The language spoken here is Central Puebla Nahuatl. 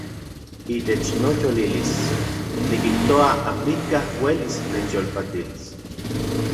Itech noyolilis nikijoa amikaj uelis nechyolpatilis.